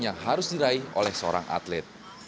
yang harus diraih oleh seorang atlet